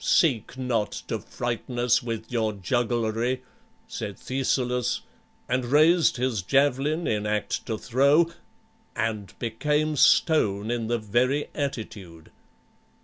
"Seek not to frighten us with your jugglery," said Thescelus, and raised his javelin in act to throw, and became stone in the very attitude.